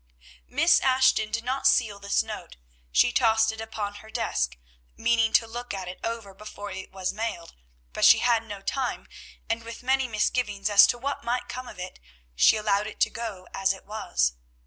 Miss Ashton did not seal this note; she tossed it upon her desk, meaning to look it over before it was mailed; but she had no time, and, with many misgivings as to what might come of it, she allowed it to go as it was.